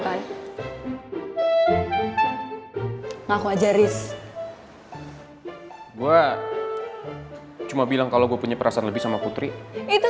kayak ngaku aja ris gue cuma bilang kalau gue punya perasaan lebih sama putri itu